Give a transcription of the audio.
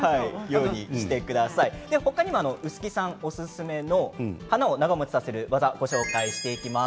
他にも薄木さんおすすめの花を長もちさせる技をご紹介していきます。